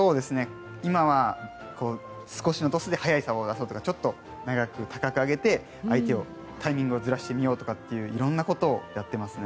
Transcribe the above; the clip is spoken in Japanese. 今は、少しのトスで速い球を出そうとかちょっと長く高く上げて相手のタイミングをずらしてみようとかといういろんなことをやっていますね。